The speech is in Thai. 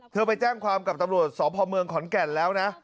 ไปแจ้งความกับตำรวจสพเมืองขอนแก่นแล้วนะ